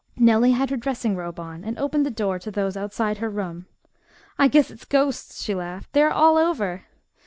Nellie had her dressing robe on, and opened the door to those outside her room. "I guess it's ghosts," she laughed. "They are all over."